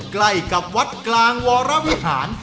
ใกล้กับวัดกลางวรวิหาร